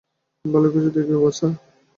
ভালো কিছু দেখিও, বাছা।